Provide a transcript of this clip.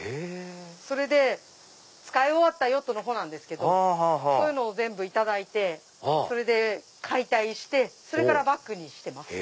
それで使い終わったヨットの帆なんですけどそういうのを全部頂いてそれで解体してそれからバッグにしてます。